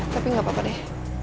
tapi gapapa deh